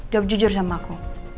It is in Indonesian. jawab jujur sama aku